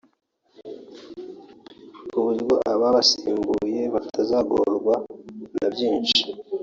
ku buryo ababasimbuye batazagorwa na byinshi